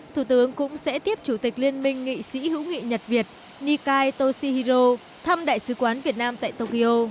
thủ tướng cũng sẽ tiếp chủ tịch liên minh nghị sĩ hữu nghị nhật việt nikai toshihiro thăm đại sứ quán việt nam tại tokyo